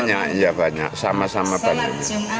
banyak iya banyak sama sama banyak